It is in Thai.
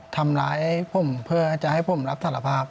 ทำร้ายผมเพื่อจะให้ผมรับสารภาพ